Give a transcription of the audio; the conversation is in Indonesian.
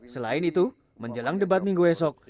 selain itu menjelang debat minggu esok